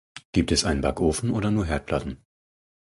Gibt es einen Backofen oder nur Herdplatten?